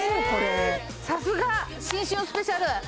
これさすが！新春スペシャル！